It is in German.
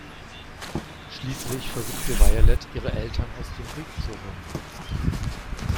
Schließlich versucht Violette, ihre Eltern aus dem Weg zu räumen.